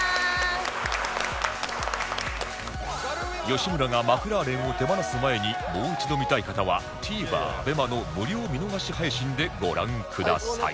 吉村がマクラーレンを手放す前にもう一度見たい方は ＴＶｅｒＡＢＥＭＡ の無料見逃し配信でご覧ください